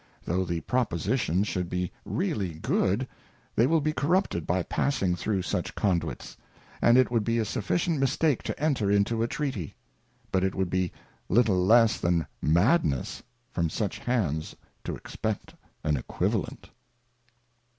Though the propositions should be really good, they will be corrupted by passing through such Conduits, and it would be a sufficient Mistake to enter into a Treaty ; but it would be little less than Madness from such hands to expect an Equivalent.